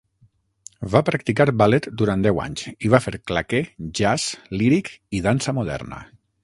Va practicar ballet durant deu anys i va fer claqué, jazz, líric, i dansa moderna.